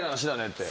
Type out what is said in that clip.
って。